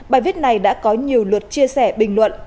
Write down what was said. bài viết này đã có nhiều luật chia sẻ bình luận